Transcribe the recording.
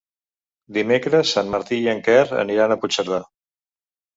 Dimecres en Martí i en Quer aniran a Puigcerdà.